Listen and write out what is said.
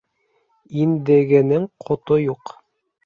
Индегенең ҡото юҡ.